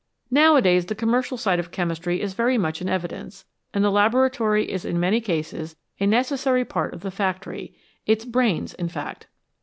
Nowadays the com mercial side of chemistry is very much in evidence, and the laboratory is in many cases a necessary part of the factory its brains, in fact.